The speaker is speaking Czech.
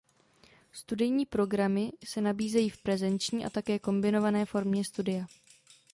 Studijní programy se nabízejí v prezenční a také kombinované formě studia.